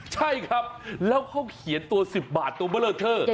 ใช่ครับแล้วเขาเขียนตัว๑๐บาทตัวเบลอเท่า